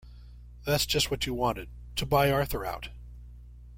That’s just what you wanted to buy Arthur out.